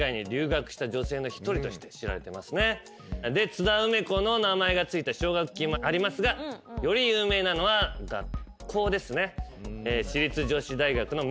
津田梅子の名前がついた奨学金もありますがより有名なのは学校ですね。